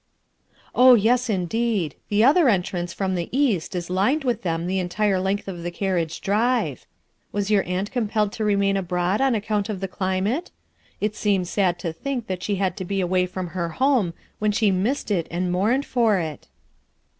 1 ' "Oh, yes, indeed, the other entrance from the east is lined with them the entire length of the carriage drive. Was your aunt compelled to remain abroad on account of the climate? It seems sad to think that she had to be away from her home when she missed it and mourned for it."